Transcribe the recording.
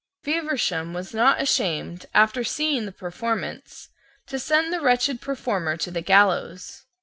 Feversham was not ashamed, after seeing the performance, to send the wretched performer to the gallows.